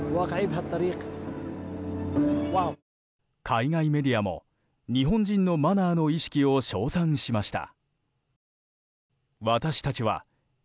海外メディアも日本人のマナーの意識の高さを称賛しました。